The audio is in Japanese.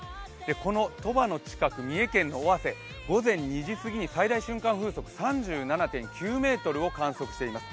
この鳥羽の近く、三重県の尾鷲午前２時すぎに最大瞬間風速３７．９メートルを観測しています。